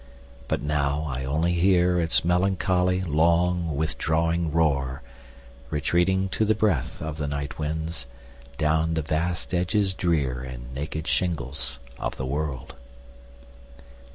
But now I only hearIts melancholy, long, withdrawing roar, Retreating, to the breathOf the night winds, down the vast edges drearAnd naked shingles of the world.